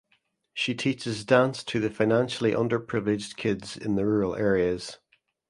She teaches dance to the financially under privileged kids in the rural areas.